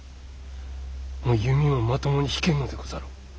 もう弓もまともに引けんのでござろう。